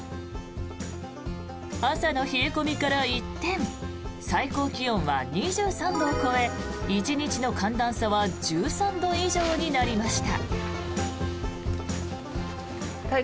朝の冷え込みから一転最高気温は２３度を超え１日の寒暖差は１３度以上になりました。